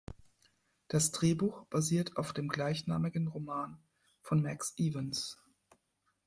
Das Drehbuch basiert auf dem gleichnamigen Roman von Max Evans.